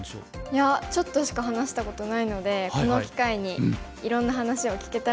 いやちょっとしか話したことないのでこの機会にいろんな話を聞けたらいいなと思います。